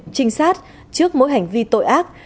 trinh sát trước mỗi hành vi tội ác